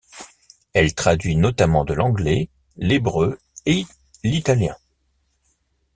Elle traduit notamment de l'anglais, l'hébreu et l'italien.